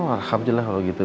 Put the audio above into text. alhamdulillah kalau gitu